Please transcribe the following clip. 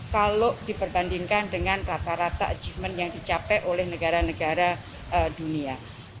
kalau diperbandingkan dengan rata rata achievement yang dicapai oleh negara negara dunia